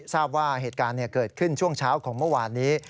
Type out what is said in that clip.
ทราบว่าเหตุการณ์เกิดขึ้นช่วงเช้าของเมื่อวานนี้